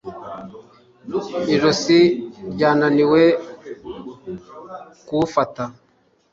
ijosi ryananiwe kuwufata